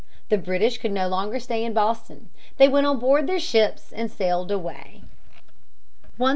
The British could no longer stay in Boston. They went on board their ships and sailed away (March, 1776).